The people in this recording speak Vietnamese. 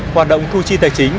hoạt động thu chi tài chính